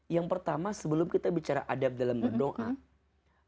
yang pertama sebelum kita bicara tentang adab meneruskan doa